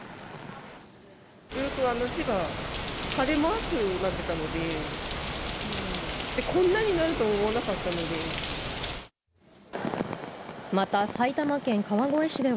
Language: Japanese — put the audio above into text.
ずっと千葉、晴れマークになってたので、こんなになると思わなかったので。